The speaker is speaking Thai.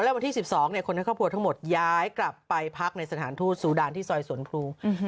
วันที่๑๒คนให้ครอบครัวทั้งหมดย้ายกลับไปพักในสถานทูตซูดานที่ซอยสวนพลู